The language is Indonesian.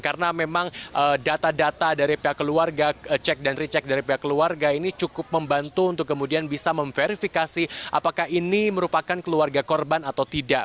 karena memang data data dari pihak keluarga cek dan re cek dari pihak keluarga ini cukup membantu untuk kemudian bisa memverifikasi apakah ini merupakan keluarga korban atau tidak